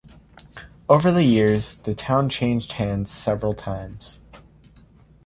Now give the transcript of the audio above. Over the years, the town changed hands several times.